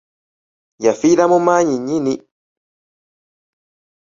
Yafiira mu maanyi nnyini!